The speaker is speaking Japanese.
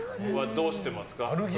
どうしていますか？